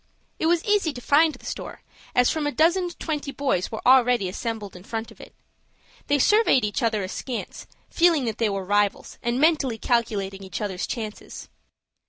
It was easy to find the store, as from a dozen to twenty boys were already assembled in front of it. They surveyed each other askance, feeling that they were rivals, and mentally calculating each other's chances.